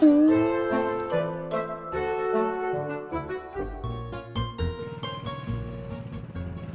masih gua selesai